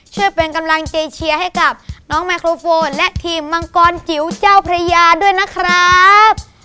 ช่วยเป็นกำลังใจเชียร์ให้กับน้องไมโครโฟนและทีมมังกรจิ๋วเจ้าพระยาด้วยนะครับ